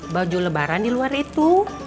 baju lebaran di luar itu